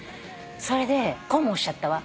それでこうもおっしゃったわ。